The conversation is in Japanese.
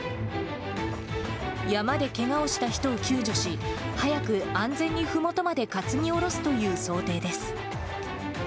山でけがをした人を救助し、早く安全にふもとまで担ぎ降ろすという想定です。